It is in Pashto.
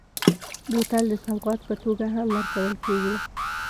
بوتل د سوغات په توګه هم ورکول کېږي.